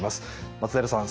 松平さん